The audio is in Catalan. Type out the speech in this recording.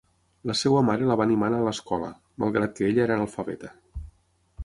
La seva mare la va animar a anar a l'escola, malgrat que ella era analfabeta.